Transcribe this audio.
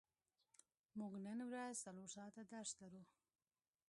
موږ نن ورځ څلور ساعته درس لرو.